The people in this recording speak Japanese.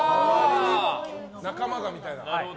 仲間が、みたいな。